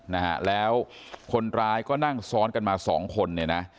นะฮะแล้วคนร้ายก็นั่งซ้อนกันมาสองคนเนี่ยนะ